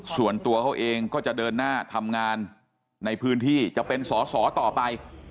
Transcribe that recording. ส่วนตัวเขาเองก็จะเดินหน้าทำงานในพื้นที่จะเป็นสอสอต่อไป